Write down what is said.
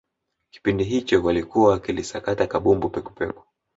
kipindi hicho walikuwa wakilisakata kabumbu pekupeku